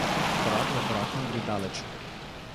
Korak za korakom gre daleč.